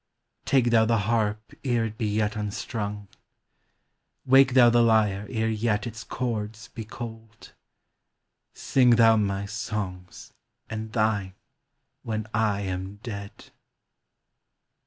Take thou the harp ere it be yet unstrung — Wake thou the lyre ere yet its chords be cold — Sing thou my songs, and thine, when I am dead